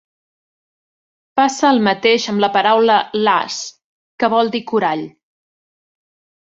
Passa el mateix amb la paraula "lahs" que vol dir "corall".